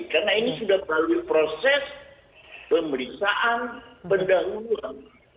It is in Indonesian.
karena ini sudah terlalu proses pemeriksaan pendahuluan